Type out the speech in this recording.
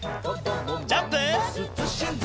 ジャンプ！